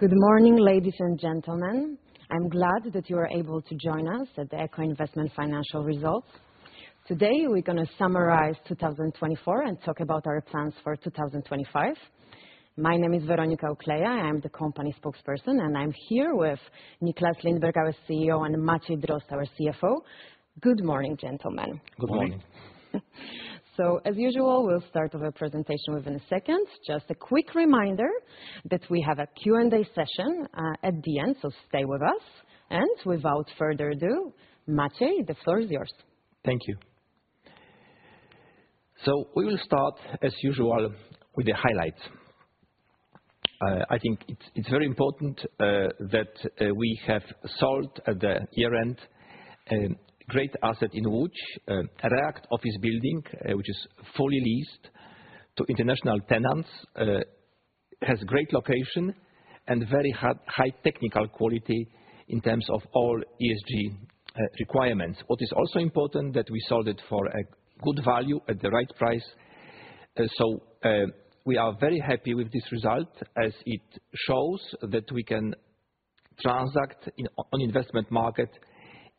Good morning, ladies and gentlemen. I'm glad that you are able to join us at the Echo Investment Financial Results. Today we're going to summarize 2024 and talk about our plans for 2025. My name is Weronika Ukleja. I'm the company spokesperson, and I'm here with Nicklas Lindberg, our CEO, and Maciej Drozd, our CFO. Good morning, gentlemen. Good morning. As usual, we'll start with a presentation within a second. Just a quick reminder that we have a Q&A session at the end, so stay with us. Without further ado, Maciej, the floor is yours. Thank you. We will start, as usual, with the highlights. I think it is very important that we have sold at the year-end a great asset in Łódź, a React office building, which is fully leased to international tenants, has a great location, and very high technical quality in terms of all ESG requirements. What is also important is that we sold it for a good value at the right price. We are very happy with this result, as it shows that we can transact on the investment market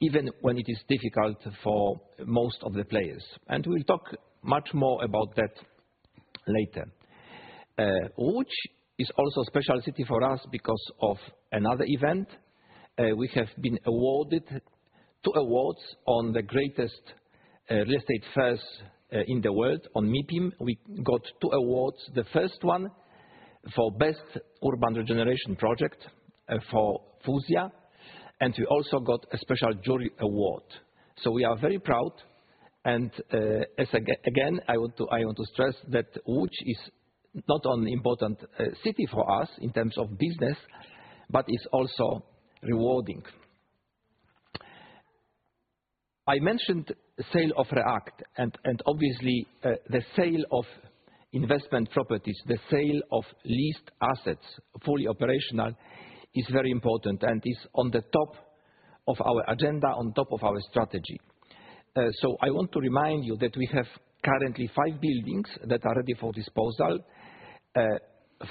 even when it is difficult for most of the players. We will talk much more about that later. Łódź is also a special city for us because of another event. We have been awarded two awards on the greatest real estate fairs in the world, on MIPIM. We got two awards. The first one for Best Urban Regeneration Project for Fuzja, and we also got a special jury award. We are very proud. Again, I want to stress that Łódź is not only an important city for us in terms of business, but it is also rewarding. I mentioned the sale of REACT, and obviously the sale of investment properties, the sale of leased assets fully operational is very important and is on the top of our agenda, on top of our strategy. I want to remind you that we have currently five buildings that are ready for disposal.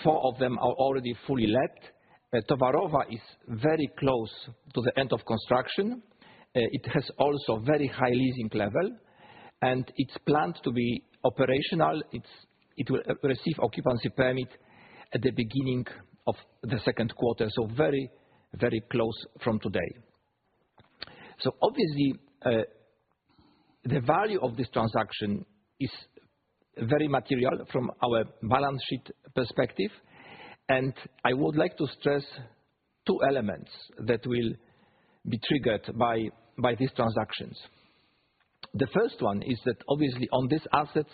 Four of them are already fully let. Towarowa is very close to the end of construction. It has also a very high leasing level, and it is planned to be operational. It will receive an occupancy permit at the beginning of the second quarter, very, very close from today. Obviously, the value of this transaction is very material from our balance sheet perspective. I would like to stress two elements that will be triggered by these transactions. The first one is that, obviously, on these assets,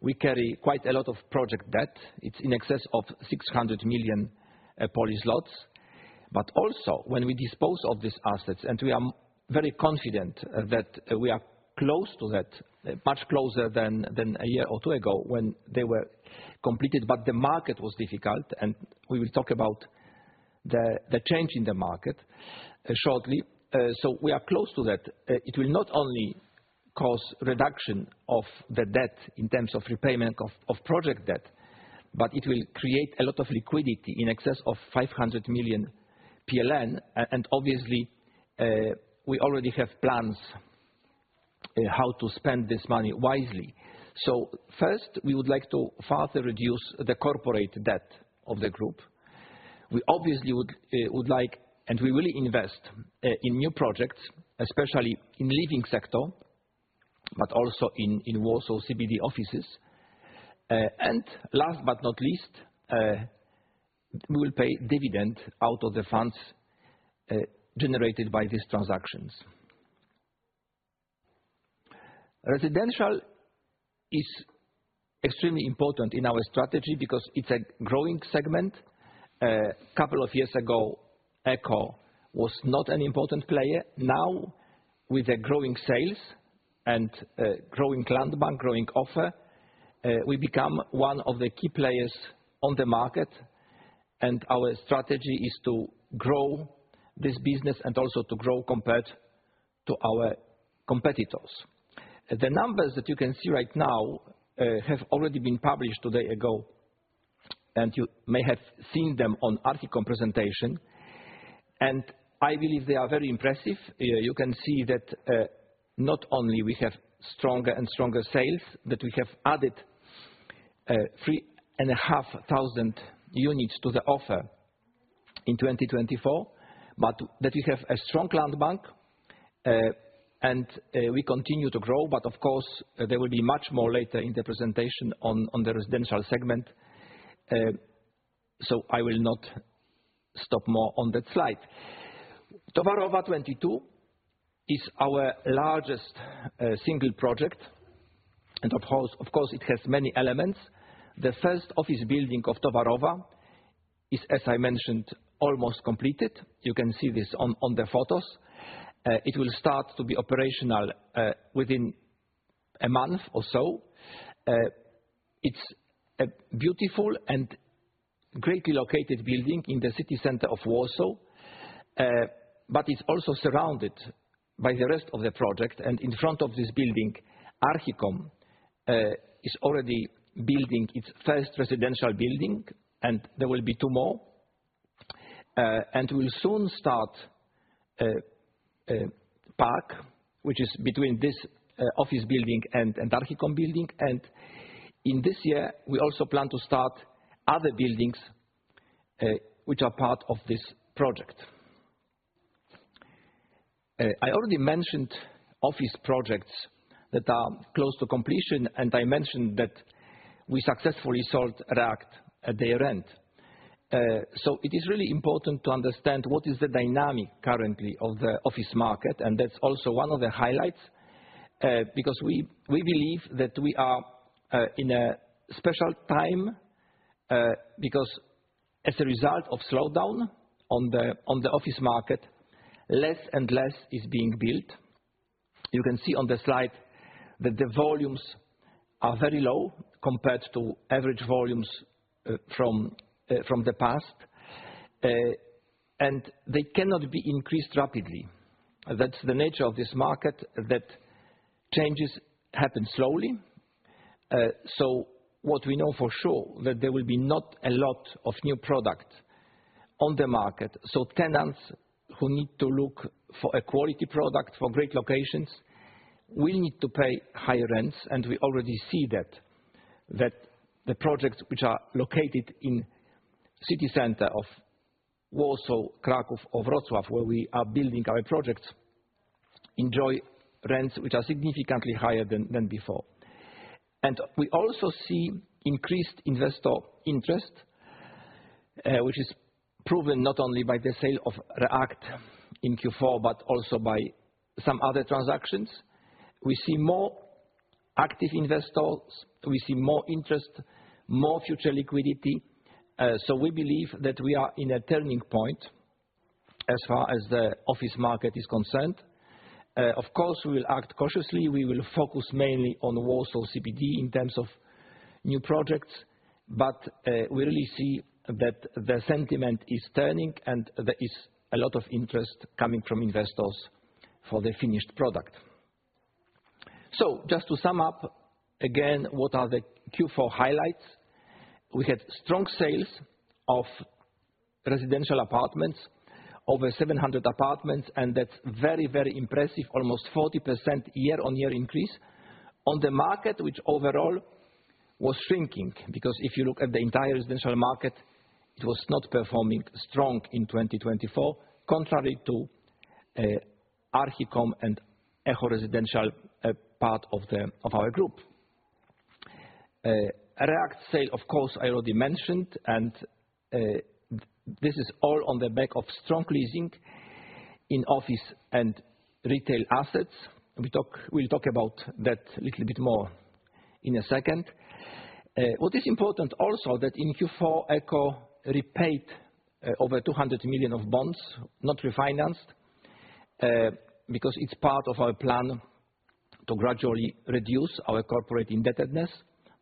we carry quite a lot of project debt. It is in excess of 600 million. Also, when we dispose of these assets, and we are very confident that we are close to that, much closer than a year or two ago when they were completed, the market was difficult, and we will talk about the change in the market shortly. We are close to that. It will not only cause a reduction of the debt in terms of repayment of project debt, but it will create a lot of liquidity in excess of 500 million PLN. Obviously, we already have plans on how to spend this money wisely. First, we would like to further reduce the corporate debt of the group. We obviously would like, and we really invest in new projects, especially in the living sector, but also in Warsaw CBD offices. Last but not least, we will pay dividends out of the funds generated by these transactions. Residential is extremely important in our strategy because it is a growing segment. A couple of years ago, Echo was not an important player. Now, with growing sales and growing land bank, growing offer, we become one of the key players on the market. Our strategy is to grow this business and also to grow compared to our competitors. The numbers that you can see right now have already been published a day ago, and you may have seen them on the Archicom presentation. I believe they are very impressive. You can see that not only do we have stronger and stronger sales, that we have added 3,500 units to the offer in 2024, but that we have a strong land bank, and we continue to grow. Of course, there will be much more later in the presentation on the residential segment. I will not stop more on that slide. Towarowa 22 is our largest single project. Of course, it has many elements. The first office building of Towarowa is, as I mentioned, almost completed. You can see this on the photos. It will start to be operational within a month or so. It is a beautiful and greatly located building in the city center of Warsaw, but it is also surrounded by the rest of the project. In front of this building, Archicom is already building its first residential building, and there will be two more. We'll soon start Park, which is between this office building and Archicom building. In this year, we also plan to start other buildings which are part of this project. I already mentioned office projects that are close to completion, and I mentioned that we successfully sold REACT at their end. It is really important to understand what is the dynamic currently of the office market. That is also one of the highlights because we believe that we are in a special time because, as a result of the slowdown on the office market, less and less is being built. You can see on the slide that the volumes are very low compared to average volumes from the past, and they cannot be increased rapidly. That's the nature of this market, that changes happen slowly. What we know for sure is that there will be not a lot of new product on the market. Tenants who need to look for a quality product for great locations will need to pay higher rents. We already see that the projects which are located in the city center of Warsaw, Kraków, or Wrocław, where we are building our projects, enjoy rents which are significantly higher than before. We also see increased investor interest, which is proven not only by the sale of REACT in Q4, but also by some other transactions. We see more active investors. We see more interest, more future liquidity. We believe that we are in a turning point as far as the office market is concerned. Of course, we will act cautiously. We will focus mainly on Warsaw CBD in terms of new projects. We really see that the sentiment is turning, and there is a lot of interest coming from investors for the finished product. Just to sum up again, what are the Q4 highlights? We had strong sales of residential apartments, over 700 apartments, and that's very, very impressive, almost a 40% year-on-year increase on the market, which overall was shrinking because if you look at the entire residential market, it was not performing strong in 2024, contrary to Archicom and Echo Residential, part of our group. REACT sale, of course, I already mentioned. This is all on the back of strong leasing in office and retail assets. We'll talk about that a little bit more in a second. What is important also is that in Q4, Echo repaid over 200 million of bonds, not refinanced, because it is part of our plan to gradually reduce our corporate indebtedness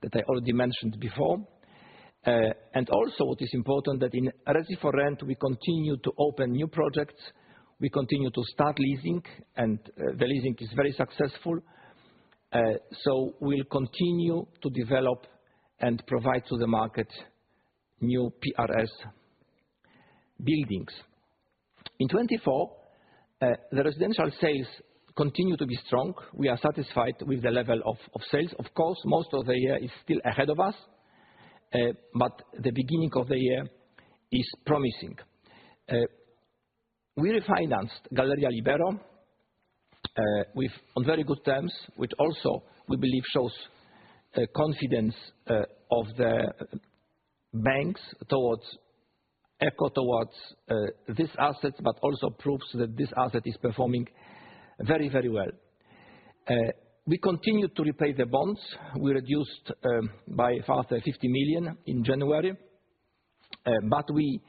that I already mentioned before. What is important is that in Resi4Rent, we continue to open new projects. We continue to start leasing, and the leasing is very successful. We will continue to develop and provide to the market new PRS buildings. In 2024, the residential sales continue to be strong. We are satisfied with the level of sales. Of course, most of the year is still ahead of us, but the beginning of the year is promising. We refinanced Galeria Libero on very good terms, which also we believe shows confidence of the banks towards Echo, towards these assets, but also proves that this asset is performing very, very well. We continue to repay the bonds. We reduced by further 50 million in January, but we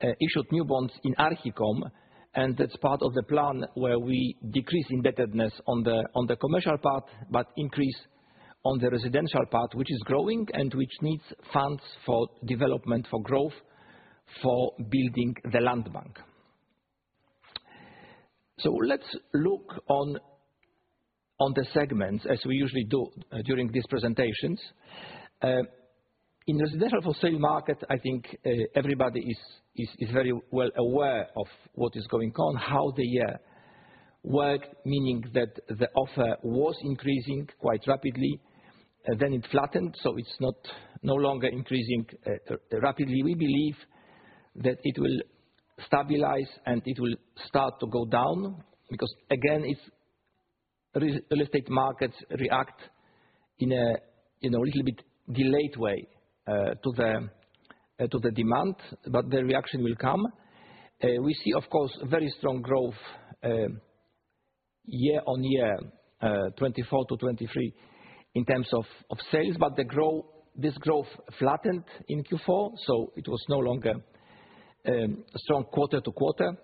issued new bonds in Archicom, and that's part of the plan where we decrease indebtedness on the commercial part, but increase on the residential part, which is growing and which needs funds for development, for growth, for building the land bank. Let's look on the segments, as we usually do during these presentations. In the residential sale market, I think everybody is very well aware of what is going on, how the year worked, meaning that the offer was increasing quite rapidly. It flattened, so it's no longer increasing rapidly. We believe that it will stabilize and it will start to go down because, again, real estate markets react in a little bit delayed way to the demand, but the reaction will come. We see, of course, very strong growth year-on-year, 2024 to 2023, in terms of sales, but this growth flattened in Q4, so it was no longer strong quarter to quarter.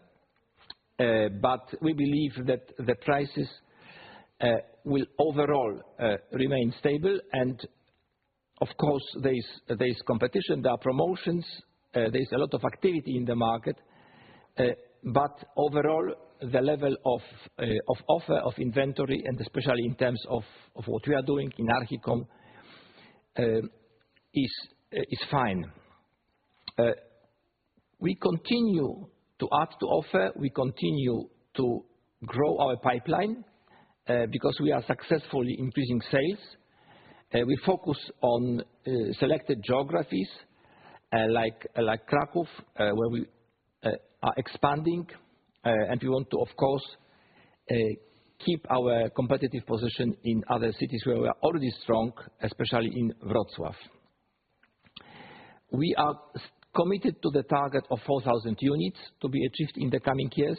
We believe that the prices will overall remain stable. Of course, there is competition, there are promotions, there is a lot of activity in the market. Overall, the level of offer, of inventory, and especially in terms of what we are doing in Archicom, is fine. We continue to add to offer. We continue to grow our pipeline because we are successfully increasing sales. We focus on selected geographies like Kraków, where we are expanding, and we want to, of course, keep our competitive position in other cities where we are already strong, especially in Wrocław. We are committed to the target of 4,000 units to be achieved in the coming years,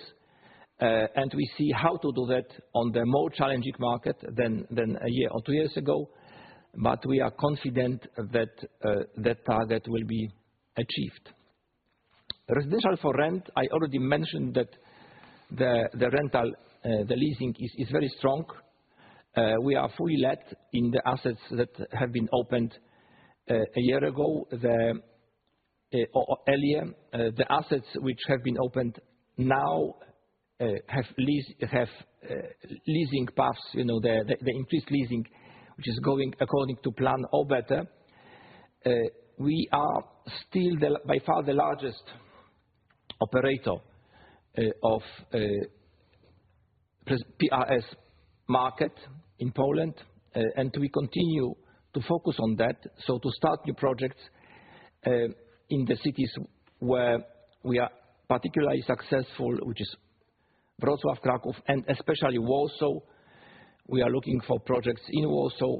and we see how to do that on the more challenging market than a year or two years ago. We are confident that that target will be achieved. Residential for rent, I already mentioned that the rental, the leasing is very strong. We are fully let in the assets that have been opened a year ago. Earlier, the assets which have been opened now have leasing paths, the increased leasing, which is going according to plan or better. We are still by far the largest operator of the PRS market in Poland, and we continue to focus on that. To start new projects in the cities where we are particularly successful, which is Wrocław, Kraków, and especially Warsaw, we are looking for projects in Warsaw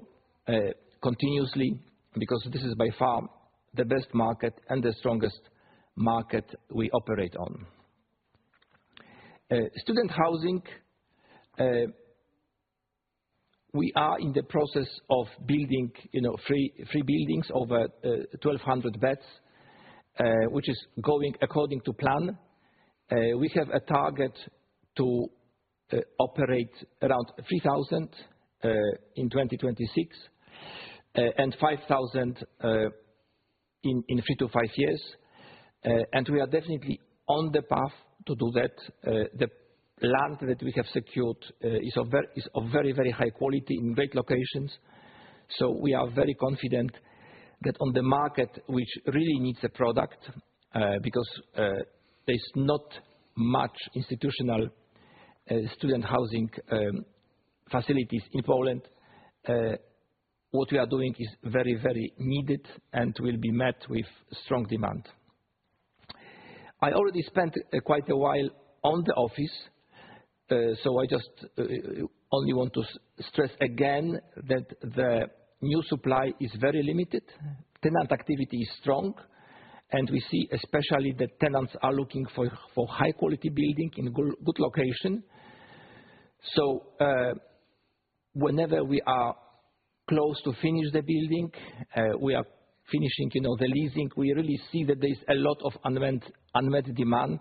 continuously because this is by far the best market and the strongest market we operate on. Student housing, we are in the process of building three buildings over 1,200 beds, which is going according to plan. We have a target to operate around 3,000 in 2026 and 5,000 in three to five years. We are definitely on the path to do that. The land that we have secured is of very, very high quality in great locations. We are very confident that on the market, which really needs a product because there's not much institutional student housing facilities in Poland, what we are doing is very, very needed and will be met with strong demand. I already spent quite a while on the office, so I just only want to stress again that the new supply is very limited. Tenant activity is strong, and we see especially that tenants are looking for high-quality buildings in good location. Whenever we are close to finishing the building, we are finishing the leasing, we really see that there's a lot of unmet demand,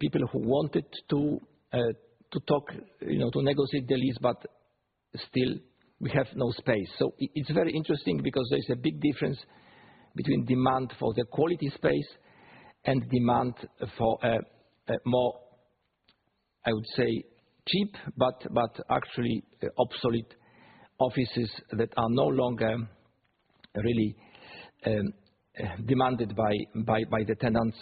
people who wanted to talk, to negotiate the lease, but still we have no space. It is very interesting because there's a big difference between demand for the quality space and demand for a more, I would say, cheap but actually obsolete offices that are no longer really demanded by the tenants.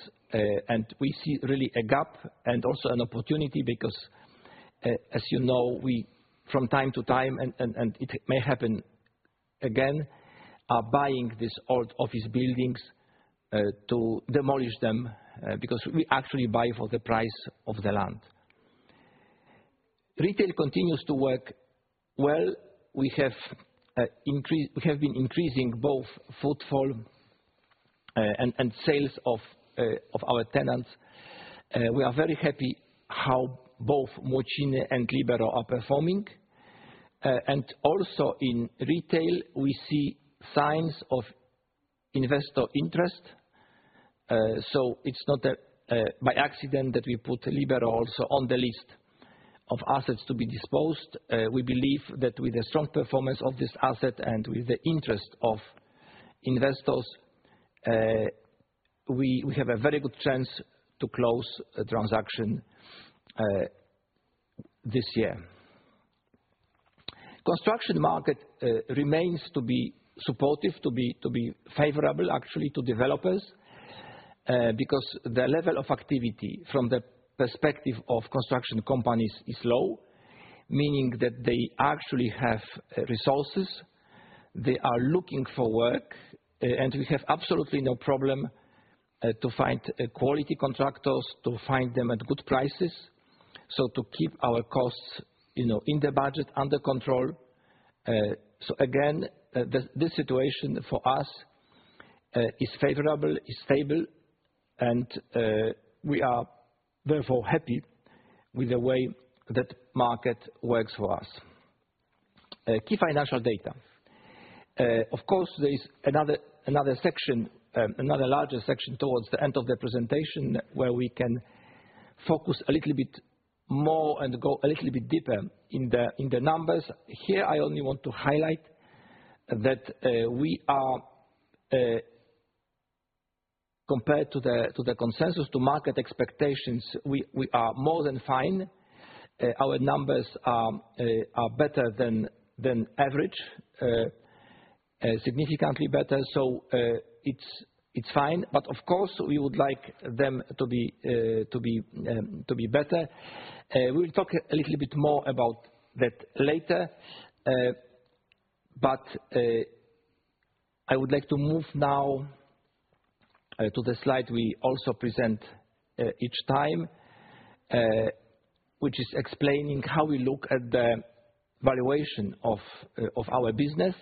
We see really a gap and also an opportunity because, as you know, we from time to time, and it may happen again, are buying these old office buildings to demolish them because we actually buy for the price of the land. Retail continues to work well. We have been increasing both footfall and sales of our tenants. We are very happy how both Młociny and Libero are performing. Also in retail, we see signs of investor interest. It is not by accident that we put Libero also on the list of assets to be disposed. We believe that with the strong performance of this asset and with the interest of investors, we have a very good chance to close a transaction this year. The construction market remains to be supportive, to be favorable actually to developers because the level of activity from the perspective of construction companies is low, meaning that they actually have resources. They are looking for work, and we have absolutely no problem to find quality contractors, to find them at good prices, so to keep our costs in the budget under control. This situation for us is favorable, is stable, and we are therefore happy with the way that the market works for us. Key financial data. Of course, there is another section, another larger section towards the end of the presentation where we can focus a little bit more and go a little bit deeper in the numbers. Here, I only want to highlight that we are, compared to the consensus, to market expectations, we are more than fine. Our numbers are better than average, significantly better. It is fine. Of course, we would like them to be better. We will talk a little bit more about that later. I would like to move now to the slide we also present each time, which is explaining how we look at the valuation of our business.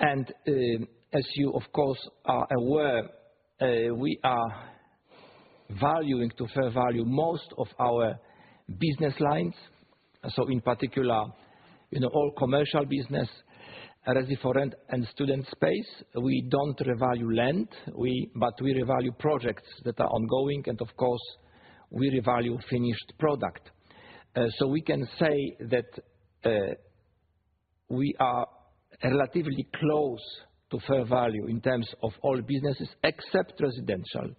As you, of course, are aware, we are valuing to fair value most of our business lines. In particular, all commercial business, Resi4Rent and student space. We do not revalue rent, but we revalue projects that are ongoing. Of course, we revalue finished product. We can say that we are relatively close to fair value in terms of all businesses except residential.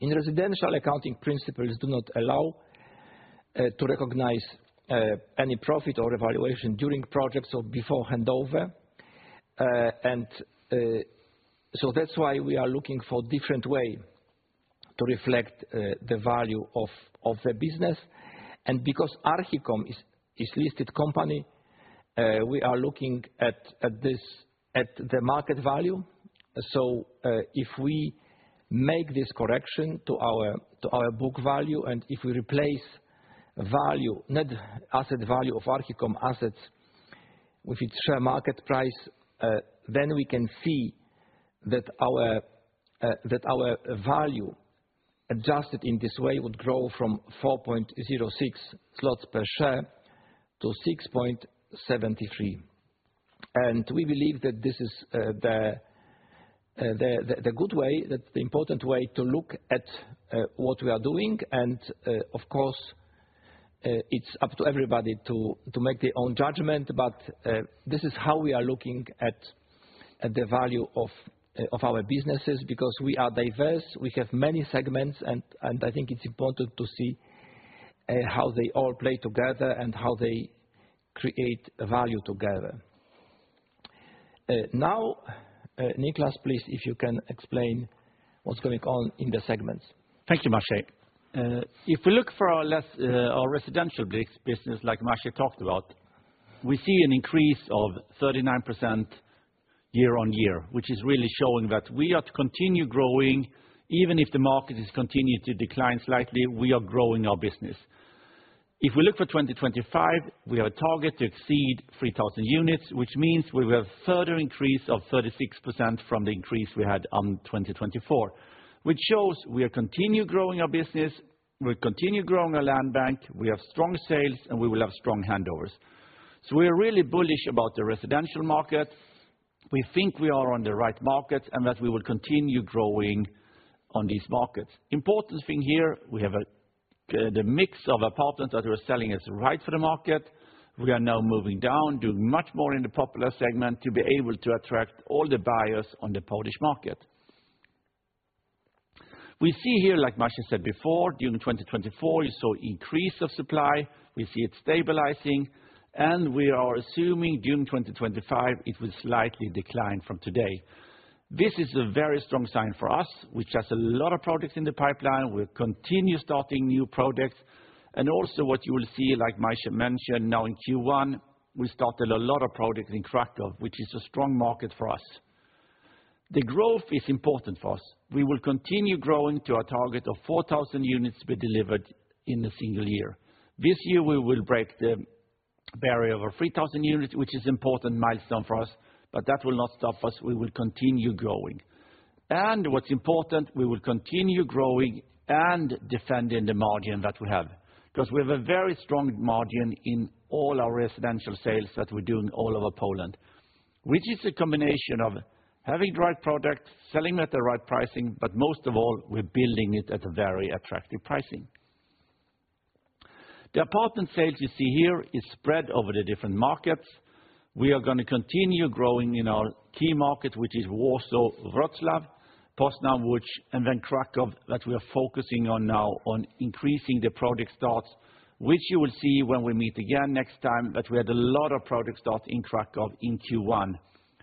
In residential, accounting principles do not allow to recognize any profit or evaluation during projects or before handover. That is why we are looking for a different way to reflect the value of the business. Because Archicom is a listed company, we are looking at the market value. If we make this correction to our book value, and if we replace value, not asset value of Archicom assets with its share market price, then we can see that our value adjusted in this way would grow from 4.06 zlotys per share to 6.73. We believe that this is the good way, the important way to look at what we are doing. Of course, it is up to everybody to make their own judgment, but this is how we are looking at the value of our businesses because we are diverse. We have many segments, and I think it is important to see how they all play together and how they create value together. Now, Nicklas, please, if you can explain what's going on in the segments. Thank you, Maciej. If we look for our residential business, like Maciej talked about, we see an increase of 39% year on year, which is really showing that we are to continue growing. Even if the market is continuing to decline slightly, we are growing our business. If we look for 2025, we have a target to exceed 3,000 units, which means we will have a further increase of 36% from the increase we had in 2024, which shows we are continuing to grow our business, we're continuing to grow our land bank, we have strong sales, and we will have strong handovers. We are really bullish about the residential market. We think we are on the right market and that we will continue growing on these markets. Important thing here, we have the mix of apartments that we were selling as right for the market. We are now moving down, doing much more in the popular segment to be able to attract all the buyers on the Polish market. We see here, like Maciej said before, during 2024, you saw an increase of supply. We see it stabilizing, and we are assuming during 2025, it will slightly decline from today. This is a very strong sign for us. We just have a lot of projects in the pipeline. We will continue starting new projects. Also what you will see, like Maciej mentioned, now in Q1, we started a lot of projects in Kraków, which is a strong market for us. The growth is important for us. We will continue growing to our target of 4,000 units we delivered in a single year. This year, we will break the barrier of 3,000 units, which is an important milestone for us. That will not stop us. We will continue growing. What is important, we will continue growing and defending the margin that we have because we have a very strong margin in all our residential sales that we're doing all over Poland, which is a combination of having the right product, selling at the right pricing, but most of all, we're building it at a very attractive pricing. The apartment sales you see here are spread over the different markets. We are going to continue growing in our key market, which is Warsaw, Wrocław, Poznań, Łódź, and then Kraków that we are focusing on now on increasing the project starts, which you will see when we meet again next time, that we had a lot of project starts in Kraków in Q1,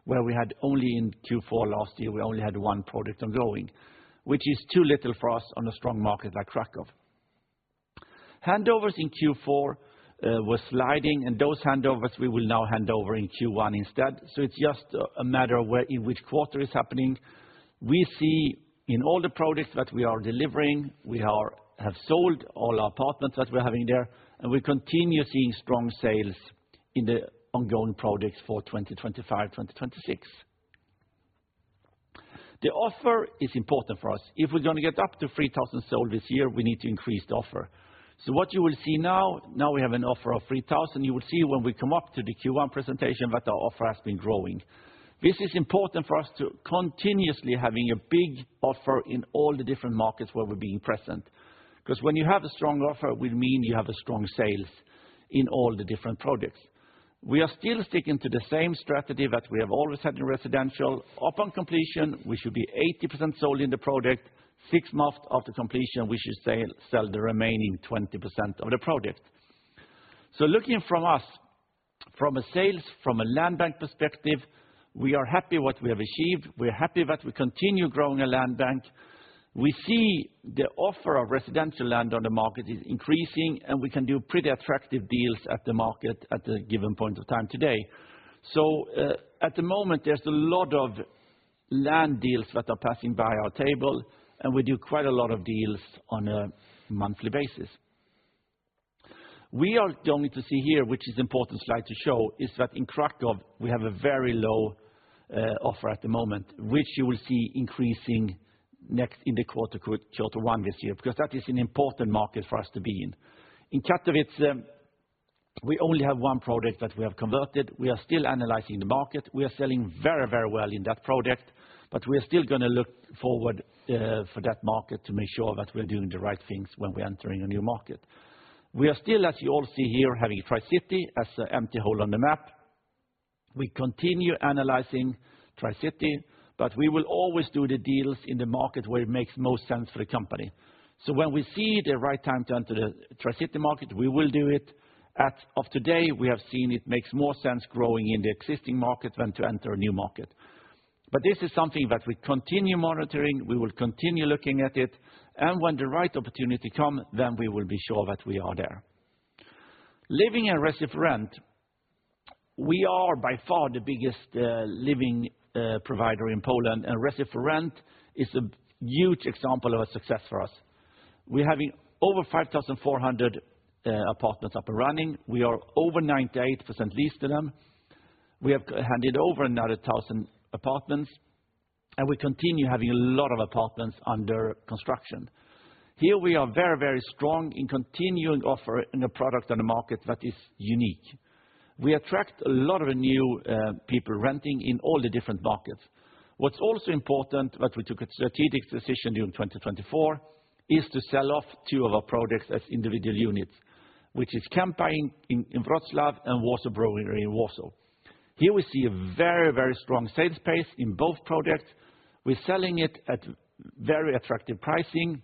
where we had only in Q4 last year, we only had one project ongoing, which is too little for us on a strong market like Kraków. Handovers in Q4 were sliding, and those handovers, we will now hand over in Q1 instead. It is just a matter of where in which quarter it is happening. We see in all the projects that we are delivering, we have sold all our apartments that we are having there, and we continue seeing strong sales in the ongoing projects for 2025, 2026. The offer is important for us. If we're going to get up to 3,000 sold this year, we need to increase the offer. So what you will see now, now we have an offer of 3,000. You will see when we come up to the Q1 presentation that our offer has been growing. This is important for us to continuously have a big offer in all the different markets where we're being present because when you have a strong offer, it will mean you have strong sales in all the different projects. We are still sticking to the same strategy that we have always had in residential. Upon completion, we should be 80% sold in the project. Six months after completion, we should sell the remaining 20% of the project. Looking from us, from a sales, from a land bank perspective, we are happy with what we have achieved. We are happy that we continue growing our land bank. We see the offer of residential land on the market is increasing, and we can do pretty attractive deals at the market at the given point of time today. At the moment, there's a lot of land deals that are passing by our table, and we do quite a lot of deals on a monthly basis. What we are going to see here, which is an important slide to show, is that in Kraków, we have a very low offer at the moment, which you will see increasing next in quarter one this year because that is an important market for us to be in. In Katowice, we only have one project that we have converted. We are still analyzing the market. We are selling very, very well in that project, but we are still going to look forward for that market to make sure that we're doing the right things when we're entering a new market. We are still, as you all see here, having Tri-City as an empty hole on the map. We continue analyzing Tri-City, but we will always do the deals in the market where it makes most sense for the company. When we see the right time to enter the Tri-City market, we will do it. As of today, we have seen it makes more sense growing in the existing market than to enter a new market. This is something that we continue monitoring. We will continue looking at it. When the right opportunity comes, then we will be sure that we are there. Living and residential rent, we are by far the biggest living provider in Poland, and residential rent is a huge example of a success for us. We're having over 5,400 apartments up and running. We are over 98% leased to them. We have handed over another 1,000 apartments, and we continue having a lot of apartments under construction. Here, we are very, very strong in continuing offering a product on the market that is unique. We attract a lot of new people renting in all the different markets. What's also important that we took a strategic decision during 2024 is to sell off two of our projects as individual units, which is Kępa in Wrocław and Warsaw Brewery in Warsaw. Here we see a very, very strong sales base in both projects. We're selling it at very attractive pricing,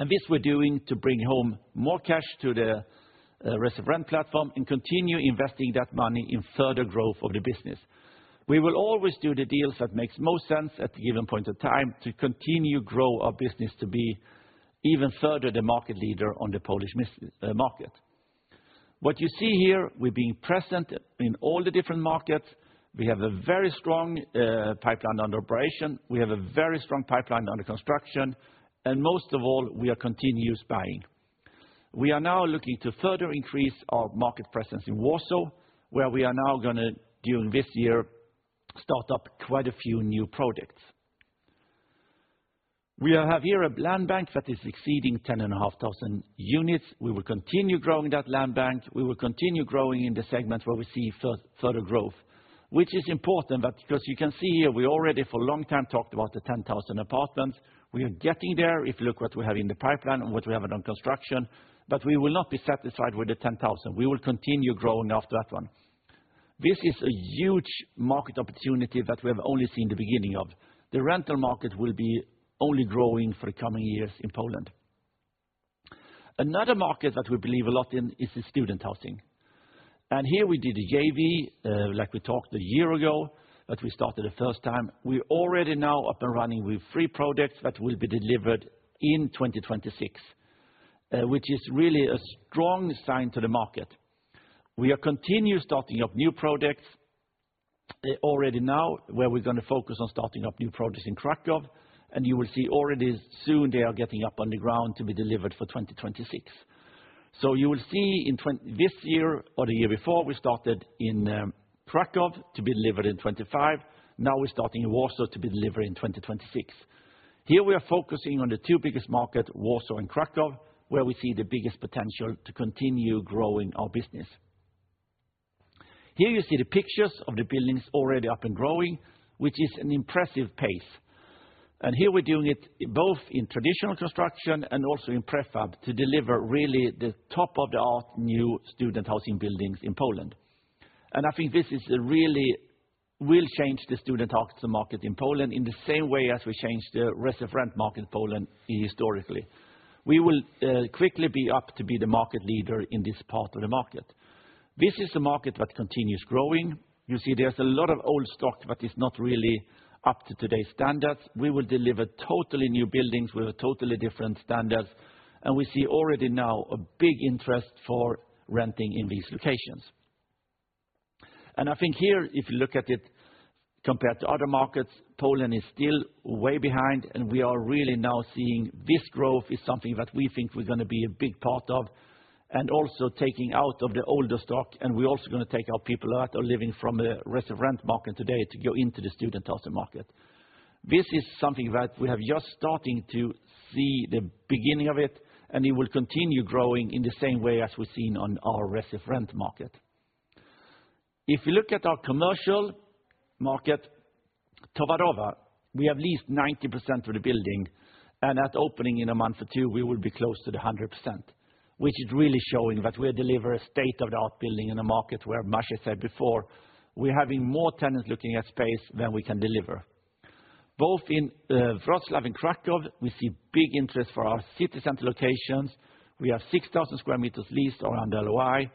and this we're doing to bring home more cash to the residential rent platform and continue investing that money in further growth of the business. We will always do the deals that make most sense at the given point of time to continue to grow our business to be even further the market leader on the Polish market. What you see here, we're being present in all the different markets. We have a very strong pipeline under operation. We have a very strong pipeline under construction. Most of all, we are continuous buying. We are now looking to further increase our market presence in Warsaw, where we are now going to, during this year, start up quite a few new projects. We have here a land bank that is exceeding 10,500 units. We will continue growing that land bank. We will continue growing in the segments where we see further growth, which is important because you can see here, we already for a long time talked about the 10,000 apartments. We are getting there. If you look at what we have in the pipeline and what we have done on construction, but we will not be satisfied with the 10,000. We will continue growing after that one. This is a huge market opportunity that we have only seen the beginning of. The rental market will be only growing for the coming years in Poland. Another market that we believe a lot in is student housing. Here we did the JV, like we talked a year ago that we started the first time. We are already now up and running with three projects that will be delivered in 2026, which is really a strong sign to the market. We are continuing starting up new projects already now, where we're going to focus on starting up new projects in Kraków, and you will see already soon they are getting up on the ground to be delivered for 2026. You will see in this year or the year before, we started in Kraków to be delivered in 2025. Now we're starting in Warsaw to be delivered in 2026. Here we are focusing on the two biggest markets, Warsaw and Kraków, where we see the biggest potential to continue growing our business. Here you see the pictures of the buildings already up and growing, which is an impressive pace. Here we're doing it both in traditional construction and also in prefab to deliver really the top-of-the-art new student housing buildings in Poland. I think this really will change the student housing market in Poland in the same way as we changed the residential rent market in Poland historically. We will quickly be up to be the market leader in this part of the market. This is a market that continues growing. You see there's a lot of old stock that is not really up to today's standards. We will deliver totally new buildings with totally different standards, and we see already now a big interest for renting in these locations. I think here, if you look at it compared to other markets, Poland is still way behind, and we are really now seeing this growth is something that we think we're going to be a big part of and also taking out of the older stock. We are also going to take our people that are living from the residential rent market today to go into the student housing market. This is something that we have just started to see the beginning of, and it will continue growing in the same way as we have seen on our residential rent market. If you look at our commercial market, Towarowa, we have leased 90% of the building, and at opening in a month or two, we will be close to 100%, which is really showing that we deliver a state-of-the-art building in a market where, as Maciej said before, we are having more tenants looking at space than we can deliver. Both in Wrocław and Kraków, we see big interest for our city center locations. We have 6,000 sq m leased around LOI.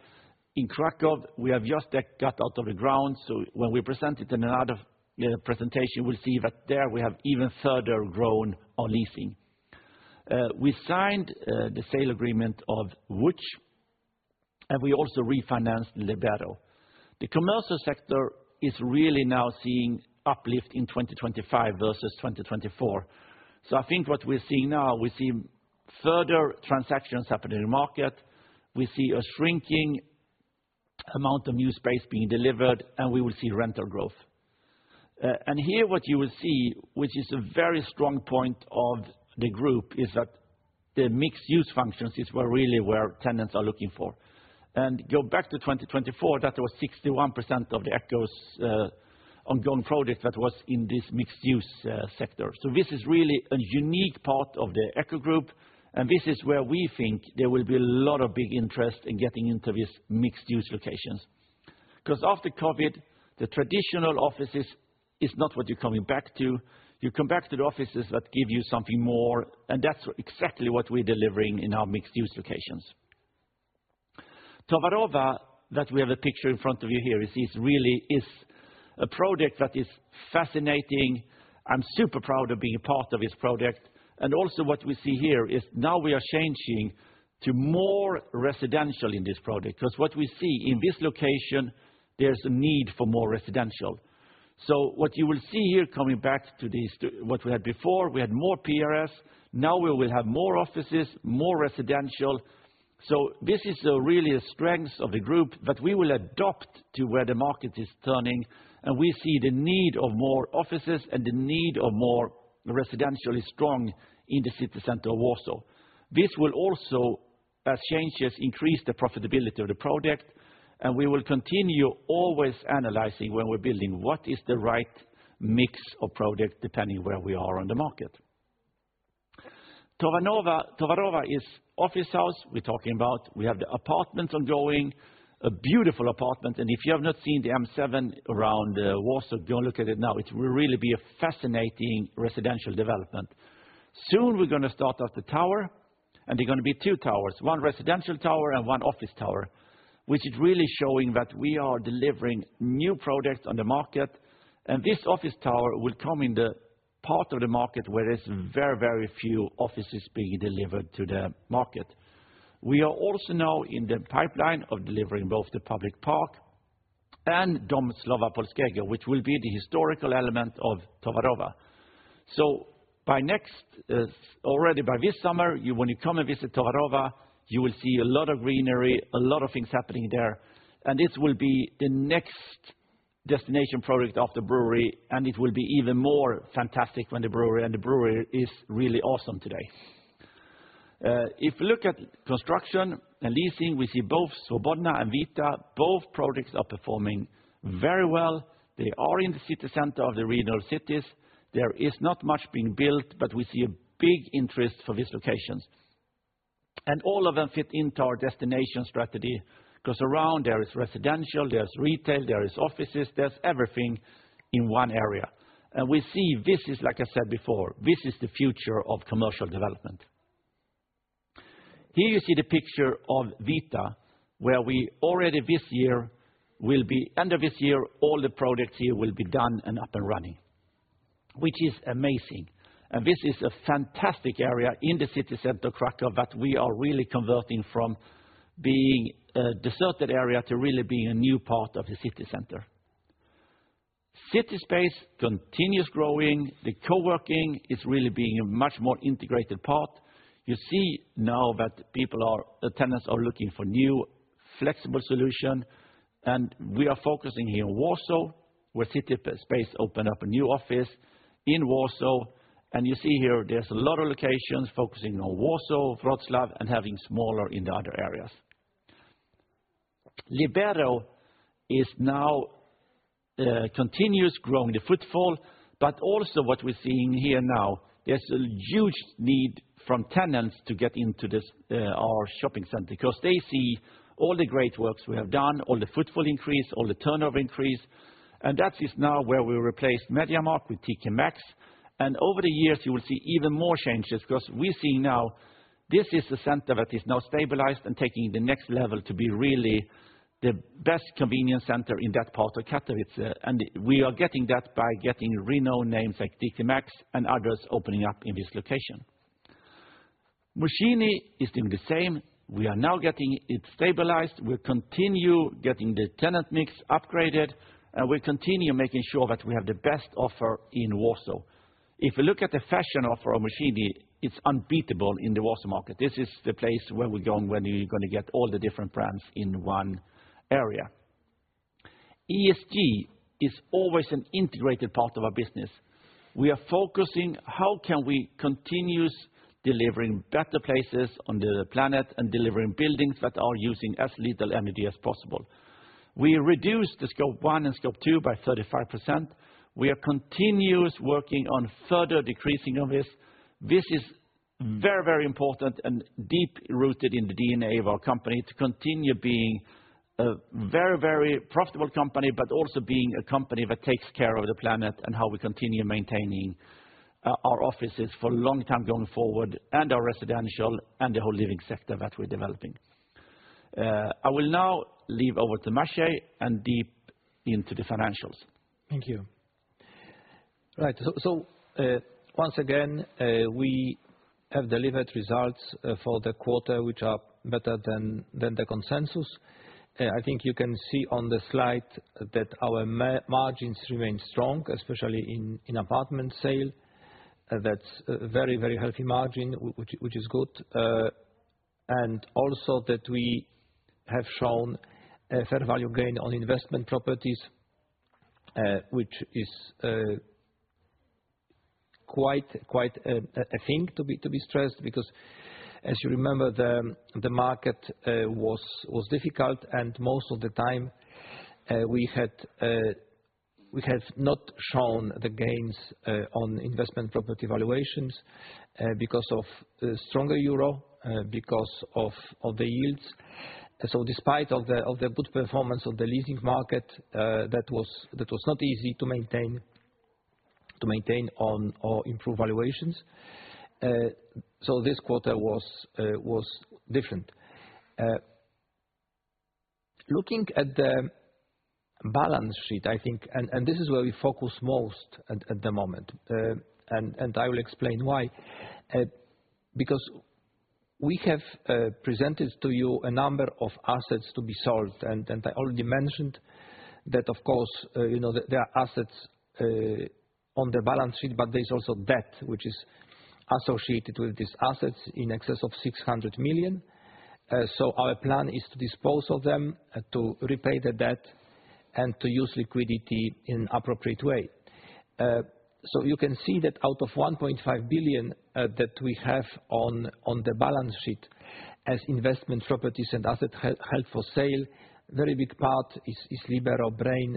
In Kraków, we have just got out of the ground. When we present it in another presentation, we'll see that there we have even further grown our leasing. We signed the sale agreement of Łódź, and we also refinanced Libero. The commercial sector is really now seeing uplift in 2025 versus 2024. I think what we're seeing now, we see further transactions happening in the market. We see a shrinking amount of new space being delivered, and we will see rental growth. Here what you will see, which is a very strong point of the group, is that the mixed-use functions is really where tenants are looking for. Go back to 2024, that was 61% of Echo's ongoing project that was in this mixed-use sector. This is really a unique part of the Echo Group, and this is where we think there will be a lot of big interest in getting into these mixed-use locations. Because after COVID, the traditional offices is not what you're coming back to. You come back to the offices that give you something more, and that's exactly what we're delivering in our mixed-use locations. Towarowa, that we have a picture in front of you here, is really a project that is fascinating. I'm super proud of being a part of this project. Also what we see here is now we are changing to more residential in this project because what we see in this location, there's a need for more residential. What you will see here coming back to what we had before, we had more PRS. Now we will have more offices, more residential. This is really a strength of the group that we will adopt to where the market is turning, and we see the need of more offices and the need of more residential is strong in the city center of Warsaw. This will also, as changes, increase the profitability of the project, and we will continue always analyzing when we're building what is the right mix of project depending where we are on the market. Towarowa is Office House. We're talking about we have the apartments ongoing, a beautiful apartment, and if you have not seen the M7 around Warsaw, go and look at it now. It will really be a fascinating residential development. Soon we're going to start up the tower, and there are going to be two towers, one residential tower and one office tower, which is really showing that we are delivering new projects on the market. This office tower will come in the part of the market where there's very, very few offices being delivered to the market. We are also now in the pipeline of delivering both the public park and Dom Słowa Polskiego, which will be the historical element of Towarowa. By next, already by this summer, when you come and visit Towarowa, you will see a lot of greenery, a lot of things happening there, and this will be the next destination project after brewery, and it will be even more fantastic when the brewery and the brewery is really awesome today. If we look at construction and leasing, we see both Swobodna and Wita. Both projects are performing very well. They are in the city center of the regional cities. There is not much being built, but we see a big interest for these locations. All of them fit into our destination strategy because around there is residential, there's retail, there are offices, there's everything in one area. We see this is, like I said before, this is the future of commercial development. Here you see the picture of Wita, where we already this year will be, end of this year, all the projects here will be done and up and running, which is amazing. This is a fantastic area in the city center of Kraków that we are really converting from being a deserted area to really being a new part of the city center. CitySpace continues growing. The coworking is really being a much more integrated part. You see now that people are, the tenants are looking for new flexible solutions, and we are focusing here in Warsaw, where CitySpace opened up a new office in Warsaw. You see here there is a lot of locations focusing on Warsaw, Wrocław, and having smaller in the other areas. Galeria Libero is now continuously growing the footfall, but also what we are seeing here now, there is a huge need from tenants to get into our shopping center because they see all the great works we have done, all the footfall increase, all the turnover increase. That is now where we replaced MediaMarkt with TK Maxx. Over the years, you will see even more changes because we are seeing now this is a center that is now stabilized and taking the next level to be really the best convenience center in that part of Katowice. We are getting that by getting renowned names like TK Maxx and others opening up in this location. Młociny is doing the same. We are now getting it stabilized. We'll continue getting the tenant mix upgraded, and we'll continue making sure that we have the best offer in Warsaw. If you look at the fashion offer of Galeria Młociny, it's unbeatable in the Warsaw market. This is the place where you're going to get all the different brands in one area. ESG is always an integrated part of our business. We are focusing how can we continue delivering better places on the planet and delivering buildings that are using as little energy as possible. We reduced the scope one and scope two by 35%. We are continuously working on further decreasing of this. This is very, very important and deeply rooted in the DNA of our company to continue being a very, very profitable company, but also being a company that takes care of the planet and how we continue maintaining our offices for a long time going forward and our residential and the whole living sector that we're developing. I will now leave over to Maciej and deep into the financials. Thank you. Right. Once again, we have delivered results for the quarter, which are better than the consensus. I think you can see on the slide that our margins remain strong, especially in apartment sale. That's a very, very healthy margin, which is good. We have shown a fair value gain on investment properties, which is quite a thing to be stressed because, as you remember, the market was difficult, and most of the time we have not shown the gains on investment property valuations because of stronger euro, because of the yields. Despite the good performance of the leasing market, that was not easy to maintain or improve valuations. This quarter was different. Looking at the balance sheet, I think, and this is where we focus most at the moment, and I will explain why, because we have presented to you a number of assets to be sold. I already mentioned that, of course, there are assets on the balance sheet, but there is also debt, which is associated with these assets in excess of 600 million. Our plan is to dispose of them, to repay the debt, and to use liquidity in an appropriate way. You can see that out of 1.5 billion that we have on the balance sheet as investment properties and assets held for sale, a very big part is Libero, Brain,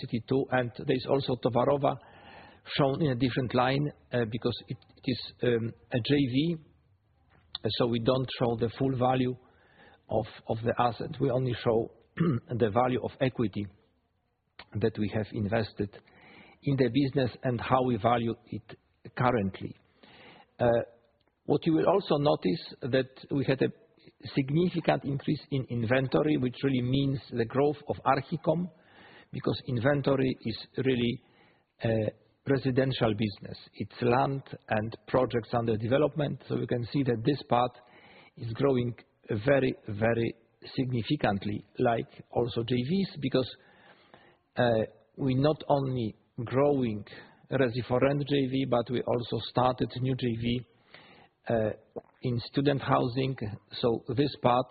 City 2, and there is also Towarowa shown in a different line because it is a JV. We do not show the full value of the asset. We only show the value of equity that we have invested in the business and how we value it currently. What you will also notice is that we had a significant increase in inventory, which really means the growth of Archicom because inventory is really a residential business. It is land and projects under development. You can see that this part is growing very, very significantly, like also JVs, because we're not only growing residential rent JV, but we also started a new JV in student housing. This part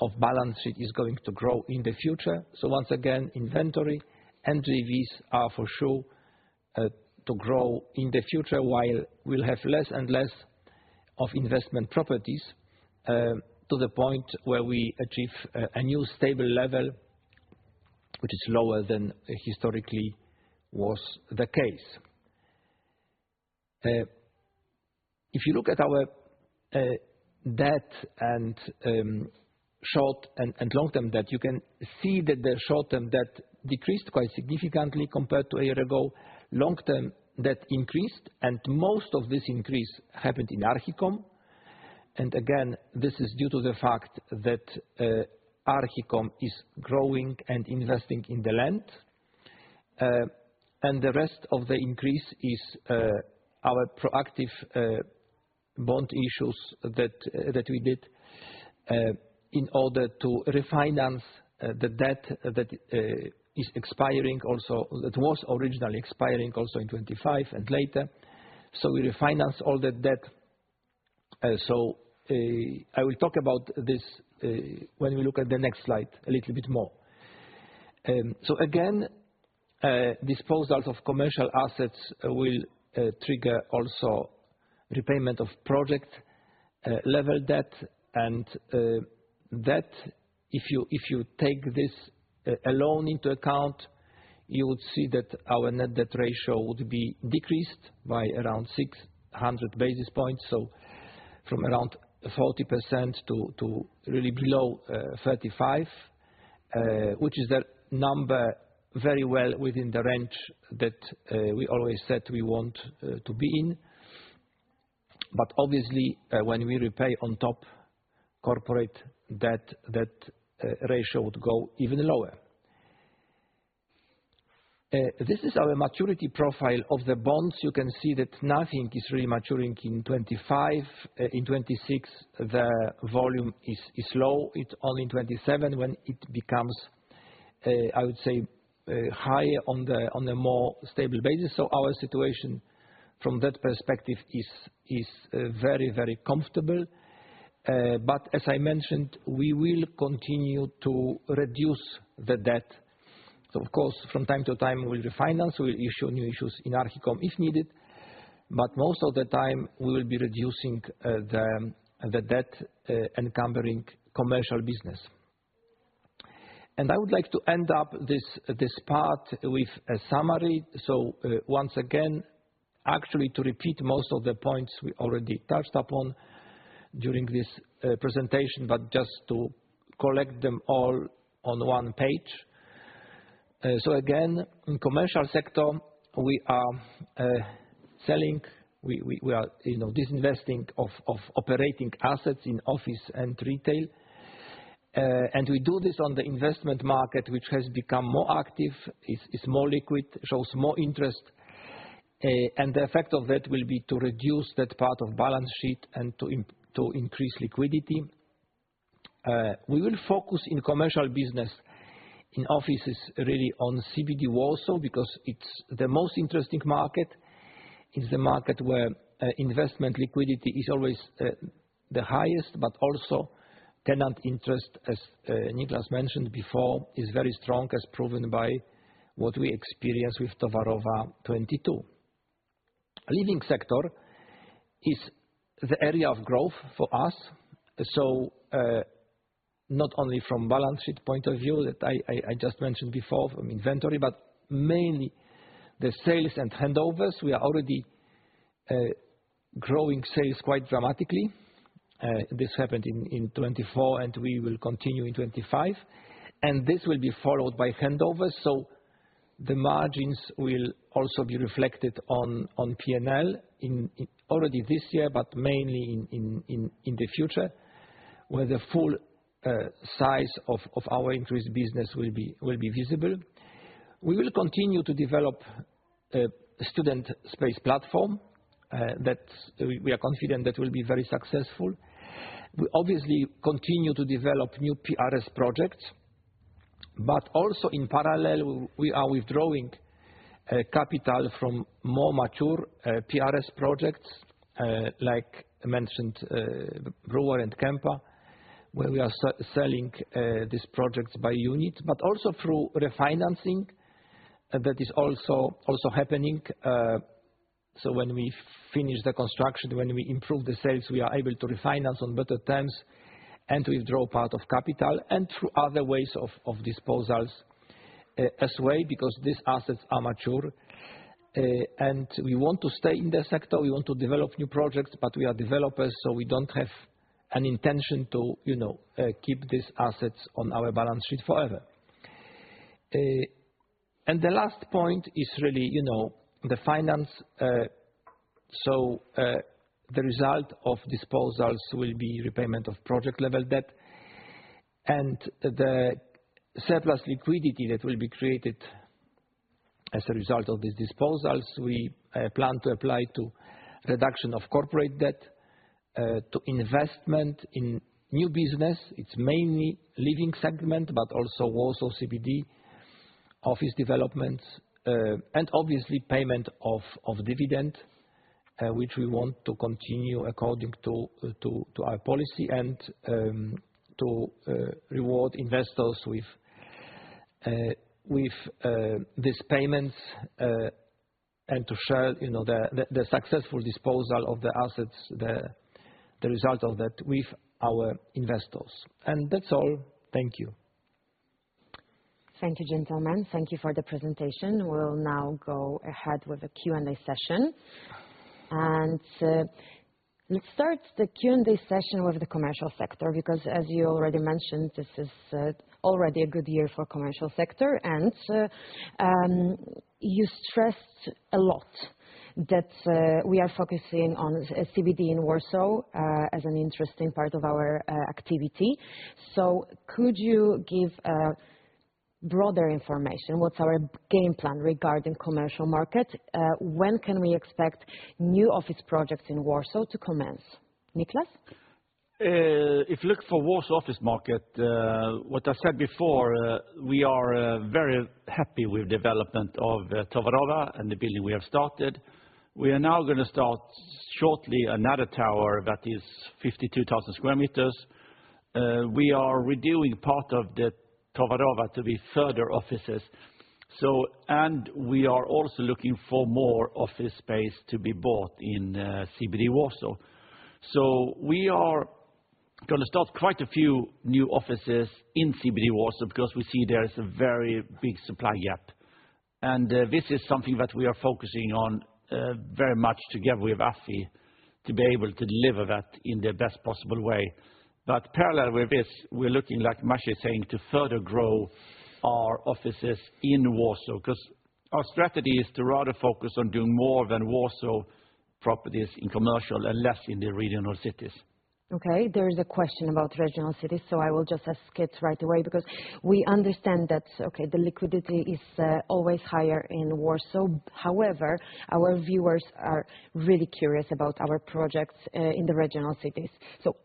of the balance sheet is going to grow in the future. Once again, inventory and JVs are for sure to grow in the future while we'll have less and less of investment properties to the point where we achieve a new stable level, which is lower than historically was the case. If you look at our debt and short and long-term debt, you can see that the short-term debt decreased quite significantly compared to a year ago. Long-term debt increased, and most of this increase happened in Archicom. Again, this is due to the fact that Archicom is growing and investing in the land. The rest of the increase is our proactive bond issues that we did in order to refinance the debt that is expiring also, that was originally expiring also in 2025 and later. We refinanced all that debt. I will talk about this when we look at the next slide a little bit more. Again, disposals of commercial assets will trigger also repayment of project-level debt. Debt, if you take this alone into account, you would see that our net debt ratio would be decreased by around 600 basis points. From around 40% to really below 35%, which is the number very well within the range that we always said we want to be in. Obviously, when we repay on top corporate debt, that ratio would go even lower. This is our maturity profile of the bonds. You can see that nothing is really maturing in 2025. In 2026, the volume is low. It is only in 2027 when it becomes, I would say, higher on a more stable basis. Our situation from that perspective is very, very comfortable. As I mentioned, we will continue to reduce the debt. Of course, from time to time, we will refinance. We will issue new issues in Archicom if needed. Most of the time, we will be reducing the debt encumbering commercial business. I would like to end up this part with a summary. Once again, actually to repeat most of the points we already touched upon during this presentation, just to collect them all on one page. Again, in the commercial sector, we are selling, we are disinvesting of operating assets in office and retail. We do this on the investment market, which has become more active, is more liquid, shows more interest. The effect of that will be to reduce that part of the balance sheet and to increase liquidity. We will focus in commercial business in offices really on CBD Warsaw because it is the most interesting market. It is the market where investment liquidity is always the highest, but also tenant interest, as Nicklas mentioned before, is very strong, as proven by what we experienced with Towarowa 22. Living sector is the area of growth for us. Not only from the balance sheet point of view that I just mentioned before from inventory, but mainly the sales and handovers. We are already growing sales quite dramatically. This happened in 2024, and we will continue in 2025. This will be followed by handovers. The margins will also be reflected on P&L already this year, but mainly in the future, where the full size of our increased business will be visible. We will continue to develop a student space platform that we are confident that will be very successful. We obviously continue to develop new PRS projects, also in parallel, we are withdrawing capital from more mature PRS projects, like mentioned Brewery and Kempa, where we are selling these projects by units, also through refinancing that is also happening. When we finish the construction, when we improve the sales, we are able to refinance on better terms and withdraw part of capital and through other ways of disposals as well, because these assets are mature. We want to stay in the sector. We want to develop new projects, but we are developers, so we do not have an intention to keep these assets on our balance sheet forever. The last point is really the finance. The result of disposals will be repayment of project-level debt and the surplus liquidity that will be created as a result of these disposals. We plan to apply to reduction of corporate debt, to investment in new business. It is mainly living segment, but also Warsaw CBD office developments, and obviously payment of dividend, which we want to continue according to our policy and to reward investors with these payments and to share the successful disposal of the assets, the result of that with our investors. That is all. Thank you. Thank you, gentlemen. Thank you for the presentation. We will now go ahead with the Q&A session. Let's start the Q&A session with the commercial sector, because as you already mentioned, this is already a good year for the commercial sector. You stressed a lot that we are focusing on CBD in Warsaw as an interesting part of our activity. Could you give broader information? What's our game plan regarding the commercial market? When can we expect new office projects in Warsaw to commence? Niklas? If you look for the Warsaw office market, what I said before, we are very happy with the development of Towarowa and the building we have started. We are now going to start shortly another tower that is 52,000 sq m. We are redoing part of the Towarowa to be further offices. We are also looking for more office space to be bought in CBD Warsaw. We are going to start quite a few new offices in CBD Warsaw because we see there is a very big supply gap. This is something that we are focusing on very much together with AFI to be able to deliver that in the best possible way. Parallel with this, we're looking, like Maciej is saying, to further grow our offices in Warsaw because our strategy is to rather focus on doing more Warsaw properties in commercial and less in the regional cities. Okay. There is a question about regional cities, so I will just ask it right away because we understand that, okay, the liquidity is always higher in Warsaw. However, our viewers are really curious about our projects in the regional cities.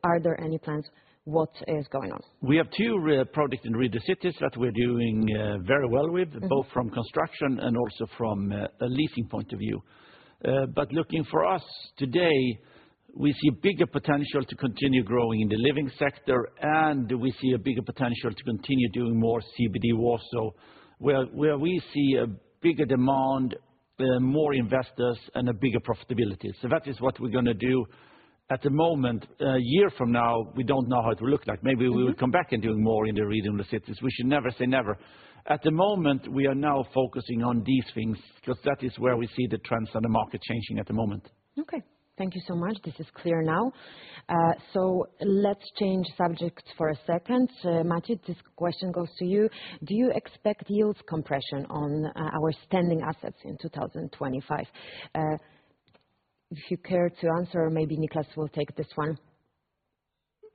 Are there any plans? What is going on? We have two projects in the cities that we're doing very well with, both from construction and also from a leasing point of view. Looking for us today, we see a bigger potential to continue growing in the living sector, and we see a bigger potential to continue doing more CBD Warsaw, where we see a bigger demand, more investors, and a bigger profitability. That is what we're going to do at the moment. A year from now, we don't know how it will look like. Maybe we will come back and do more in the regional cities. We should never say never. At the moment, we are now focusing on these things because that is where we see the trends on the market changing at the moment. Okay. Thank you so much. This is clear now. Let's change subjects for a second. Maciej, this question goes to you. Do you expect yield compression on our standing assets in 2025? If you care to answer, maybe Nicklas will take this one.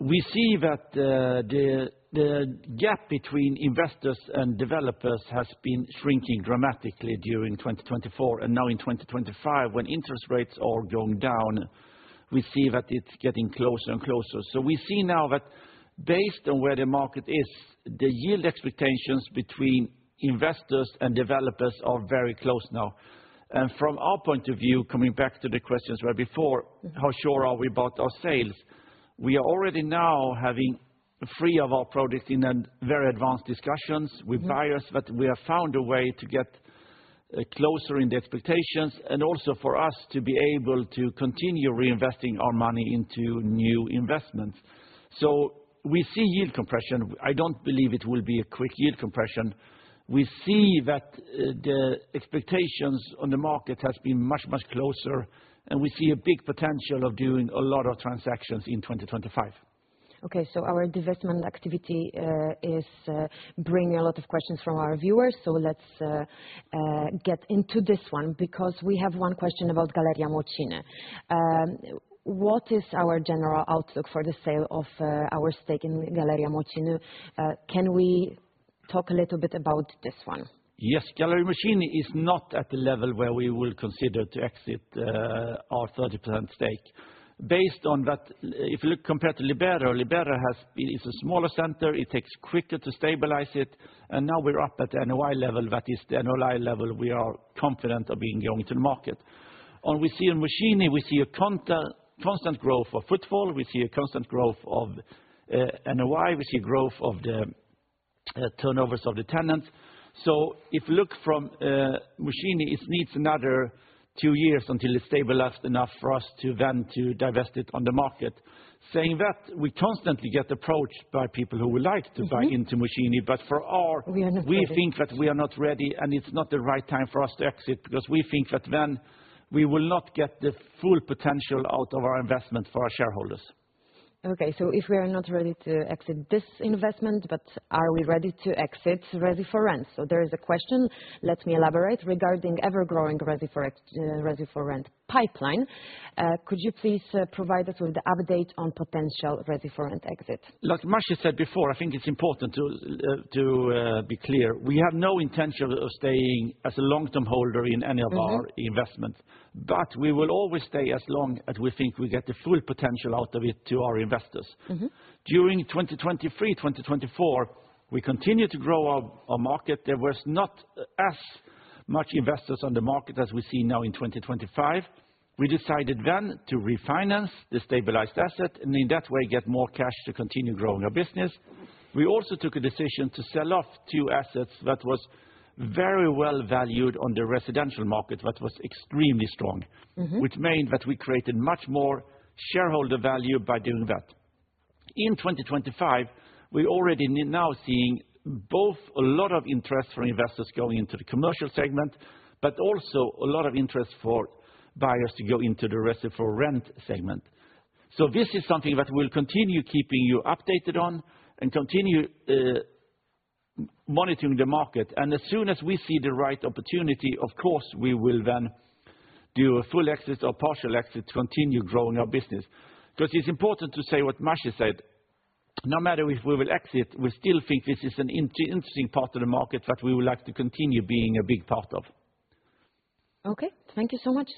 We see that the gap between investors and developers has been shrinking dramatically during 2024 and now in 2025, when interest rates are going down, we see that it's getting closer and closer. We see now that based on where the market is, the yield expectations between investors and developers are very close now. From our point of view, coming back to the questions right before, how sure are we about our sales? We are already now having three of our projects in very advanced discussions with buyers, but we have found a way to get closer in the expectations and also for us to be able to continue reinvesting our money into new investments. We see yield compression. I don't believe it will be a quick yield compression. We see that the expectations on the market have been much, much closer, and we see a big potential of doing a lot of transactions in 2025. Our development activity is bringing a lot of questions from our viewers. Let's get into this one because we have one question about Galeria Młociny. What is our general outlook for the sale of our stake in Galeria Młociny? Can we talk a little bit about this one? Yes. Galeria Młociny is not at the level where we will consider to exit our 30% stake. Based on that, if you look compared to Libero, Libero has been a smaller center. It takes quicker to stabilize it. Now we're up at the NOI level, that is the NOI level we are confident of being going to the market. On Galeria Młociny, we see a constant growth of footfall. We see a constant growth of NOI. We see a growth of the turnovers of the tenants. If you look from Młociny, it needs another two years until it is stabilized enough for us to then divest it on the market. Saying that, we constantly get approached by people who would like to buy into Młociny, but for our reason, we think that we are not ready, and it is not the right time for us to exit because we think that then we will not get the full potential out of our investment for our shareholders. Okay. If we are not ready to exit this investment, but are we ready to exit Resi4Rent? There is a question. Let me elaborate regarding the ever-growing Resi4Rent pipeline. Could you please provide us with the update on potential Resi4Rent exit? Like Maciej said before, I think it's important to be clear. We have no intention of staying as a long-term holder in any of our investments, but we will always stay as long as we think we get the full potential out of it to our investors. During 2023, 2024, we continue to grow our market. There were not as much investors on the market as we see now in 2025. We decided then to refinance the stabilized asset and in that way get more cash to continue growing our business. We also took a decision to sell off two assets that were very well valued on the residential market, which was extremely strong, which meant that we created much more shareholder value by doing that. In 2025, we are already now seeing both a lot of interest from investors going into the commercial segment, but also a lot of interest for buyers to go into the Resi4Rent segment. This is something that we'll continue keeping you updated on and continue monitoring the market. As soon as we see the right opportunity, of course, we will then do a full exit or partial exit, continue growing our business. Because it's important to say what Maciej said. No matter if we will exit, we still think this is an interesting part of the market that we would like to continue being a big part of. Okay. Thank you so much.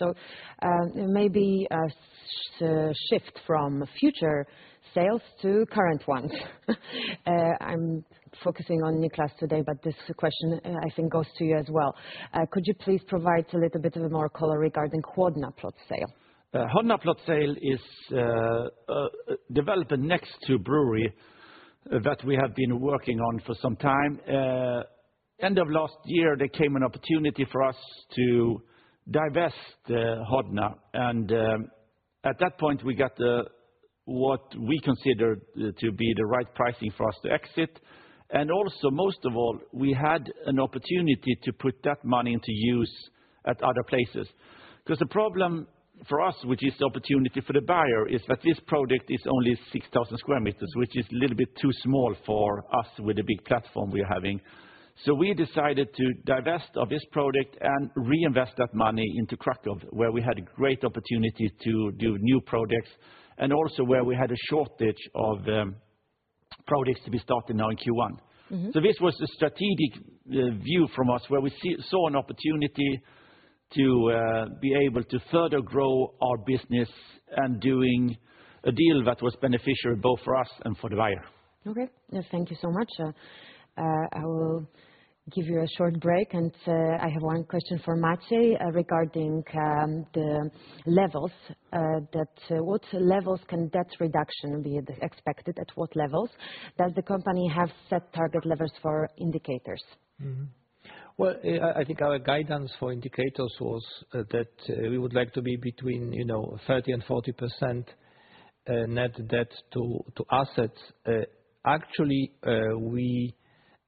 Maybe a shift from future sales to current ones. I'm focusing on Nicklas today, but this question I think goes to you as well. Could you please provide a little bit more color regarding the Chłodna plot sale? Chłodna plot sale is developed next to a brewery that we have been working on for some time. At the end of last year, there came an opportunity for us to divest Chłodna. At that point, we got what we considered to be the right pricing for us to exit. Most of all, we had an opportunity to put that money into use at other places. The problem for us, which is the opportunity for the buyer, is that this project is only 6,000 sq m, which is a little bit too small for us with the big platform we are having. We decided to divest this project and reinvest that money into Kraków, where we had a great opportunity to do new projects and also where we had a shortage of projects to be started now in Q1. This was a strategic view from us where we saw an opportunity to be able to further grow our business and doing a deal that was beneficial both for us and for the buyer. Thank you so much. I will give you a short break. I have one question for Maciej regarding the levels. What levels can debt reduction be expected at what levels? Does the company have set target levels for indicators? I think our guidance for indicators was that we would like to be between 30-40% net debt to assets. Actually,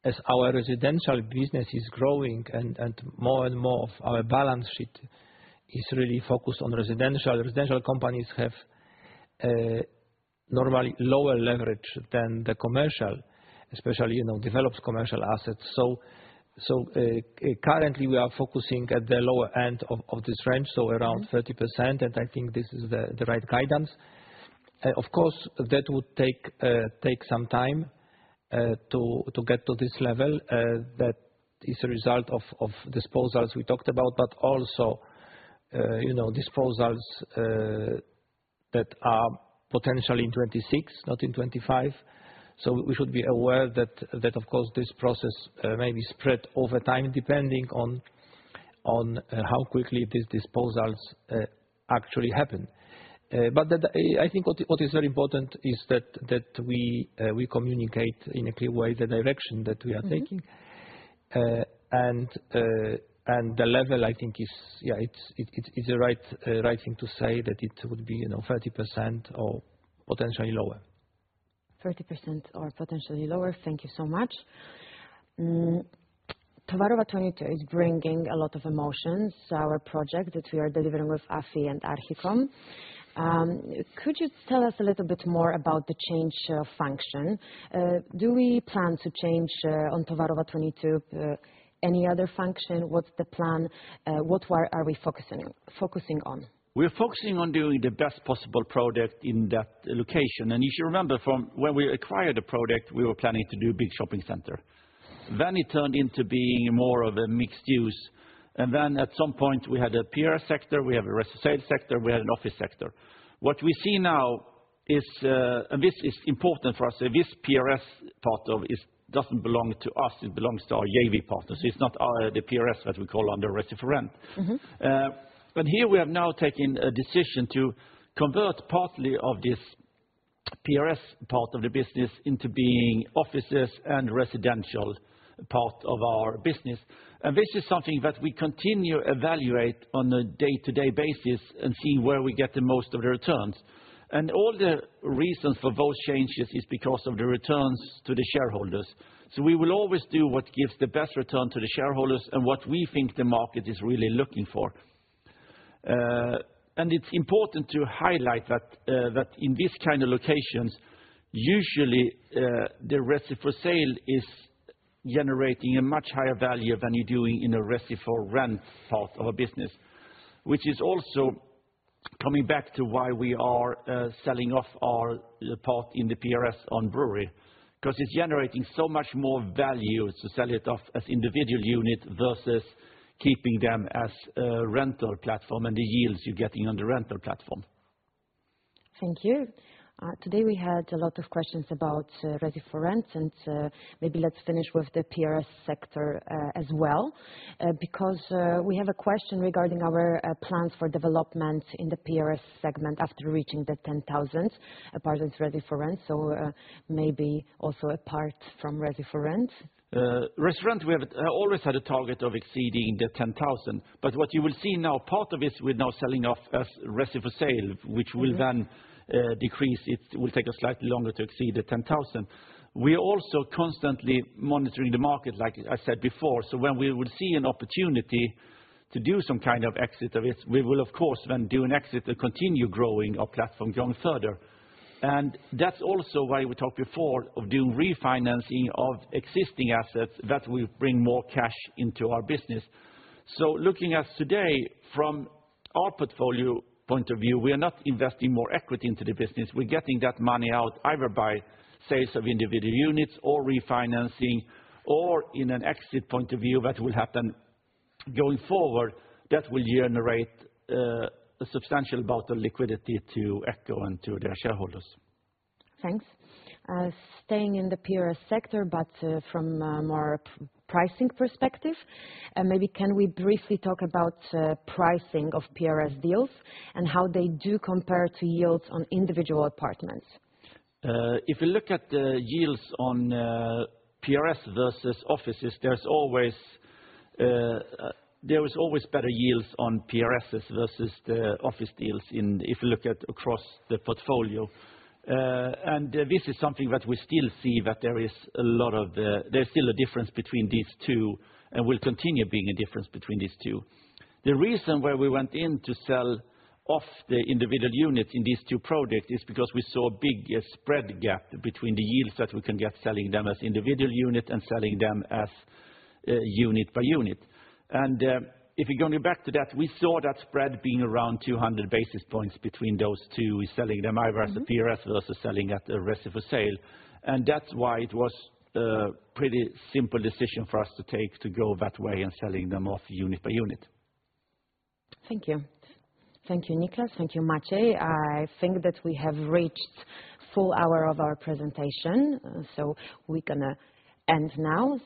as our residential business is growing and more and more of our balance sheet is really focused on residential, residential companies have normally lower leverage than the commercial, especially developed commercial assets. Currently, we are focusing at the lower end of this range, so around 30%. I think this is the right guidance. Of course, that would take some time to get to this level. That is a result of disposals we talked about, but also disposals that are potentially in 2026, not in 2025. We should be aware that, of course, this process may be spread over time depending on how quickly these disposals actually happen. I think what is very important is that we communicate in a clear way the direction that we are taking. The level, I think, is the right thing to say that it would be 30% or potentially lower. 30% or potentially lower. Thank you so much. Towarowa 22 is bringing a lot of emotions, our project that we are delivering with AFI and Archicom. Could you tell us a little bit more about the change function? Do we plan to change on Towarowa 22 any other function? What's the plan? What are we focusing on? We're focusing on doing the best possible project in that location. You should remember from when we acquired the project, we were planning to do a big shopping center. It turned into being more of a mixed use. At some point, we had a PRS sector, we have a resale sector, we had an office sector. What we see now is, and this is important for us, this PRS part of it does not belong to us. It belongs to our JV partners. It is not the PRS that we call under Resi4Rent. Here we have now taken a decision to convert partly of this PRS part of the business into being offices and residential part of our business. This is something that we continue to evaluate on a day-to-day basis and see where we get the most of the returns. All the reasons for those changes are because of the returns to the shareholders. We will always do what gives the best return to the shareholders and what we think the market is really looking for. It is important to highlight that in these kinds of locations, usually the Resi4Sale is generating a much higher value than you are doing in a Resi4Rent part of a business, which is also coming back to why we are selling off our part in the PRS on brewery because it is generating so much more value to sell it off as an individual unit versus keeping them as a rental platform and the yields you are getting on the rental platform. Thank you. Today we had a lot of questions about Resi4Rent, and maybe let's finish with the PRS sector as well because we have a question regarding our plans for development in the PRS segment after reaching the 10,000 apartment Resi4Rent. Maybe also a part from Resi4Rent. Resi4Rent, we have always had a target of exceeding the 10,000. What you will see now, part of it is we're now selling off as Resi4Sale, which will then decrease. It will take us slightly longer to exceed the 10,000. We are also constantly monitoring the market, like I said before. When we will see an opportunity to do some kind of exit of it, we will, of course, then do an exit and continue growing our platform, growing further. That is also why we talked before of doing refinancing of existing assets that will bring more cash into our business. Looking at today from our portfolio point of view, we are not investing more equity into the business. We're getting that money out either by sales of individual units or refinancing or in an exit point of view that will happen going forward that will generate a substantial amount of liquidity to Echo and to their shareholders. Thanks. Staying in the PRS sector, but from a more pricing perspective, maybe can we briefly talk about pricing of PRS deals and how they do compare to yields on individual apartments? If we look at the yields on PRS versus offices, there's always better yields on PRSs versus the office deals if you look at across the portfolio. This is something that we still see that there is a lot of there's still a difference between these two and will continue being a difference between these two. The reason why we went in to sell off the individual units in these two projects is because we saw a big spread gap between the yields that we can get selling them as individual units and selling them as unit by unit. If we go back to that, we saw that spread being around 200 basis points between those two, selling them either as a PRS versus selling at a Resi4Sale. That is why it was a pretty simple decision for us to take to go that way and selling them off unit by unit. Thank you. Thank you, Nicklas. Thank you, Maciej. I think that we have reached the full hour of our presentation. We are going to end now.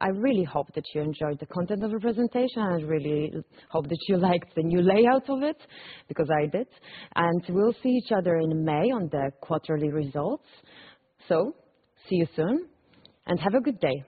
I really hope that you enjoyed the content of the presentation. I really hope that you liked the new layout of it because I did. We will see each other in May on the quarterly results. See you soon and have a good day.